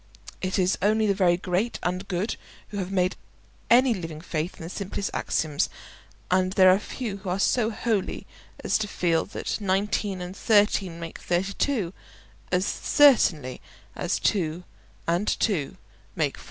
It is only the very great and good who have any living faith in the simplest axioms; and there are few who are so holy as to feel that 19 and 13 make 32 as certainly as 2 and 2 make 4.